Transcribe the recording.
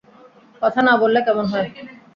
কথা না বললে কেমন হয়?